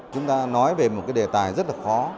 chúng ta nói về một cái đề tài rất là khó